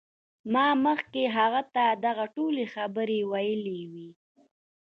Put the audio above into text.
ما مخکې هغه ته دغه ټولې خبرې ویلې وې